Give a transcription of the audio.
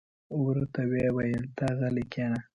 ورته ویې ویل: ته غلې کېنه.